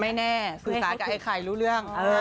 ไม่แน่สื่อสารกับไอ้ไข่รู้เรื่อง